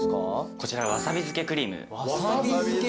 こちらわさび漬けクリーム。